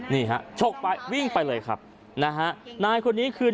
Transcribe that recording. นี่ฮะชกไปวิ่งไปเลยครับนะฮะนายคนนี้คือ